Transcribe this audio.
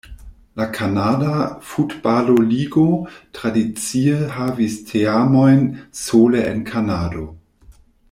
La Kanada Futbalo-Ligo tradicie havis teamojn sole en Kanado.